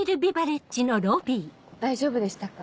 大丈夫でしたか？